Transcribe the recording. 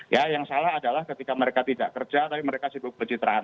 ya yang salah adalah ketika mereka tidak kerja tapi mereka sibuk pencitraan